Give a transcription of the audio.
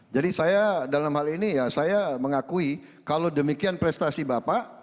jadi saya dalam hal ini ya saya mengakui kalau demikian prestasi bapak